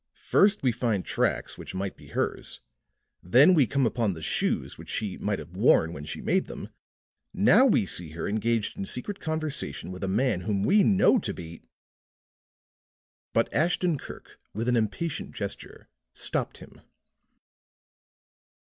First we find tracks which might be hers, then we come upon the shoes which she might have worn when she made them, now we see her engaged in secret conversation with a man whom we know to be " But Ashton Kirk with an impatient gesture stopped him.